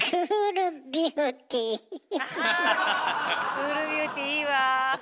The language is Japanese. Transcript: クールビューティーいいわ。